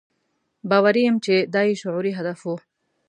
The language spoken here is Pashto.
باوري یم چې دا یې شعوري هدف و.